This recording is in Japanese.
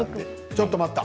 ちょっと待った。